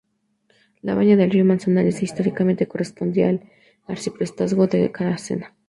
Lo baña el río Manzanares e históricamente correspondía al arciprestazgo de Caracena.